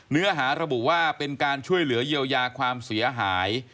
เนื้อหาระบุว่าเป็นการช่วยเหลือเยียวยาความเสียหาย